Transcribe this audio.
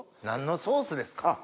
何のソースですか？